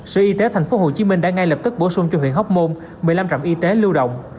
sở y tế tp hcm đã ngay lập tức bổ sung cho huyện hóc môn một mươi năm trạm y tế lưu động